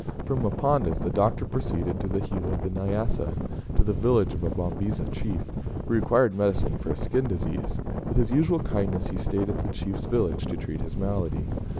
From Mponda's, the Doctor proceeded to the heel of the Nyassa, to the village of a Babisa chief, who required medicine for a skin disease. With his usual kindness, he stayed at this chief's village to treat his malady.